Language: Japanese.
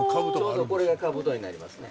ちょうどこれが兜になりますね。